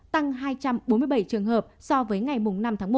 tăng hai trăm bốn mươi bảy trường hợp so với ngày năm tháng một